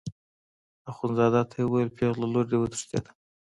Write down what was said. اخندزاده ته یې وویل پېغله لور دې وتښتېده.